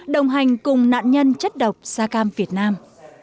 đồng hành cùng nạn nhân chất độc da cam việt nam